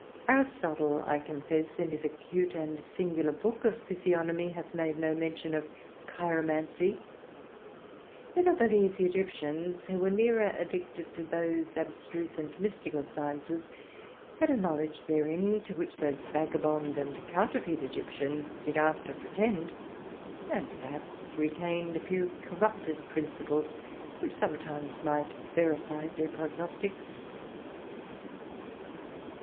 Aristotle, I confess, in his acute and singular book of physiognomy, hath made no mention of chiromancy; yet I believe the Egyptians, who were nearer addicted to those abstruse and mystical sciences, had a knowledge therein, to which those vagabond and counterfeit Egyptians did after pretend, and perhaps retained a few corrupted principles which sometimes might verify their prognostics.